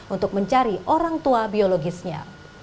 untuk mencari orang tua biologisnya